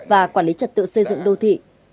và quản lý trật tự xây dựng đô thị